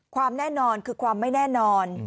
ความแน่นอนคือความไม่แน่นอน